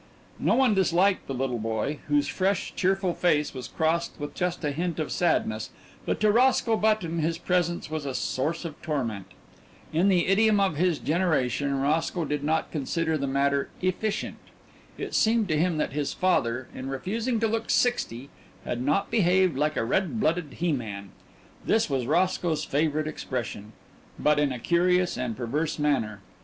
No one disliked the little boy whose fresh, cheerful face was crossed with just a hint of sadness, but to Roscoe Button his presence was a source of torment. In the idiom of his generation Roscoe did not consider the matter "efficient." It seemed to him that his father, in refusing to look sixty, had not behaved like a "red blooded he man" this was Roscoe's favourite expression but in a curious and perverse manner.